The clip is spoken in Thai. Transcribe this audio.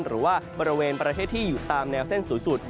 หรือว่าบริเวณประเทศที่อยู่ตามแนวเส้นสูงสุด